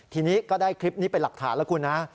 ทีนี้ก็ได้คลิปนี้เป็นหลักฐานแล้วคุณนะ